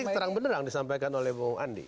kan tadi terang benerang disampaikan oleh bu andi